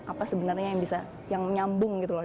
apa sebenarnya yang bisa yang nyambung gitu loh